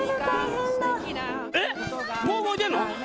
えっもう動いてんの？